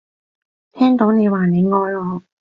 聽到你話你愛我